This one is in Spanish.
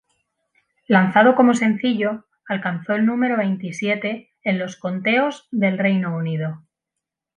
Lanzado como sencillo, alcanzó el número veintisiete en los conteos del Reino Unido.